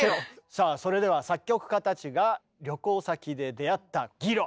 さあそれでは作曲家たちが旅行先で出会ったギロ。